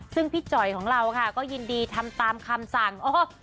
ซึ่งพี่จ่อยของเราค่ะก็ยินดีทำตามคำสั่ง